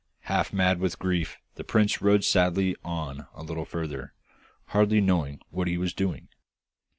Half mad with grief, the prince rode sadly on a little further, hardly knowing what he was doing.